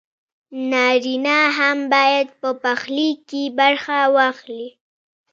نارينه هم بايد په پخلي کښې برخه واخلي